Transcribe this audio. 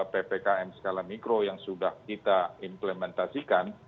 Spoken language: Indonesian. ppkm skala mikro yang sudah kita implementasikan